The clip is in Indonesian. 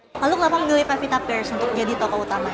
lalu kenapa memilih pevita pers untuk jadi tokoh utama